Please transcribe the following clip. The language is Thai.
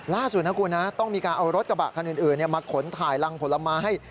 ล่าส่วนถ้าคุณต้องมีการเอารถกระบะกันอื่นมาขนถ่ายลังผลไม้